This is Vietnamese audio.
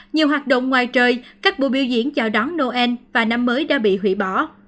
nhiều hoạt động ngoài trời các buổi biểu diễn chào đón noel và năm mới đã bị hủy bỏ